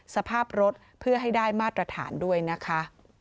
สภาพรถเพื่อให้ได้มาตรฐานด้วยนะคะ